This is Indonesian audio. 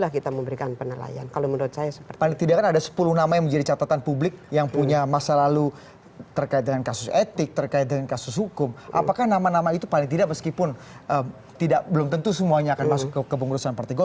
harus dimasukin kabinet